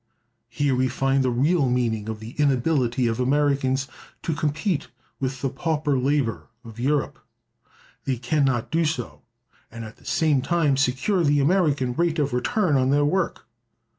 Here we find the real meaning of the 'inability' of Americans to compete with the 'pauper labor' of Europe. They can not do so, and at the same time secure the American rate of return on their work.